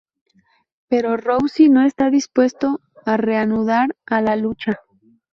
Pero Roucy no está dispuesto a reanudar a la lucha.